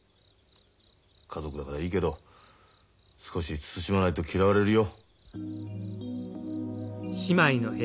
家族だからいいけど少し慎まないと嫌われるよ。